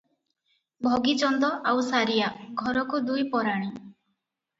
ଭଗିଚନ୍ଦ ଆଉ ସାରିଆ, ଘରକୁ ଦୁଇ ପରାଣୀ ।